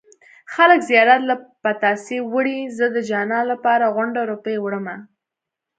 خلک زيارت له پتاسې وړي زه د جانان لپاره غونډه روپۍ وړمه